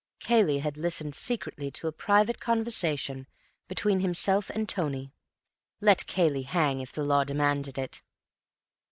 Cayley had listened secretly to a private conversation between himself and Tony. Let Cayley hang, if the Law demanded it.